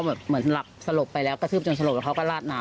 แล้วทีนี้พอเหมือนหลับสลบไปแล้วกระทืบจนสลบแล้วเขาก็ลาดน้ำต่อ